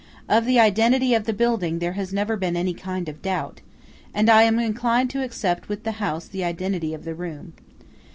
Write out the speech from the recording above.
Of the identity of the building there has never been any kind of doubt; and I am inclined to accept with the house the identity of the room.